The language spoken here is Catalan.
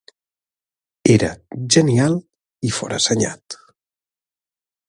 Era genial i forassenyat.